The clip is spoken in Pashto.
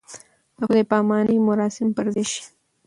د خدای پامانۍ مراسم پر ځای شي.